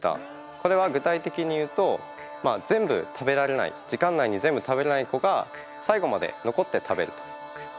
これは具体的に言うとまあ全部食べられない時間内に全部食べれない子が最後まで残って食べると。